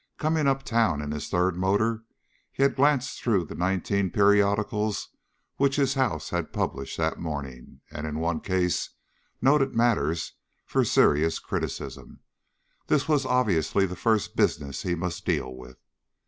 Coming up to town in his third motor, he had glanced through the nineteen periodicals which his house had published that morning, and in one case had noted matter for serious criticism. This was obviously the first business he must deal with.